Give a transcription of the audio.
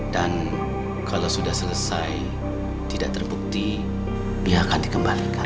dan kalau sudah selesai tidak terbukti dia akan dikembalikan